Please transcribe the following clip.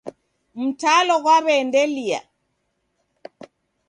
Mtalo ghwaw'eendelea.